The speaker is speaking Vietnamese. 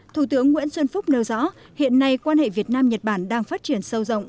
thủ tướng nguyễn xuân phúc nêu rõ hiện nay quan hệ việt nam nhật bản đang phát triển sâu rộng